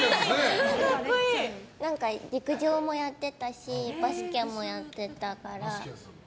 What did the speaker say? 陸上もやってたしバスケもやってたから。